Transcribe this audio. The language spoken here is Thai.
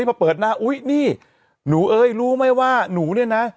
มาเปิดหน้าอุ๊ยนี่หนูเอ้ยรู้ไหมว่าหนูเนี่ยนะ